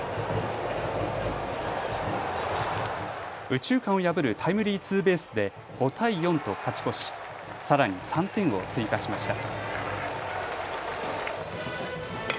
右中間を破るタイムリーツーベースで５対４と勝ち越し、さらに３点を追加しました。